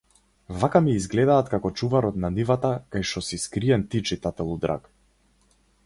Вака ми излгедат како чуварот на нивата кај шо си скриен ти читателу драг.